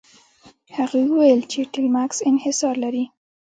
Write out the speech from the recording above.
هغوی وویل چې ټیلمکس انحصار لري.